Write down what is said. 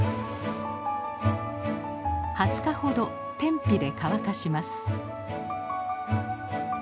２０日ほど天日で乾かします。